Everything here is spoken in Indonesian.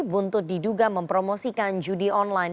buntut diduga mempromosikan judi online